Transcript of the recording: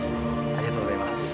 ありがとうございます。